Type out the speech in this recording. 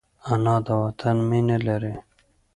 انا د وطن مینه لري